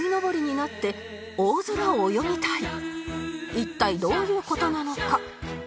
一体どういう事なのか？